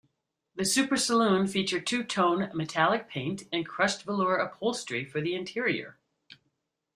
The Super Saloon featured two-tone metallic paint and crushed velour upholstery for the interior.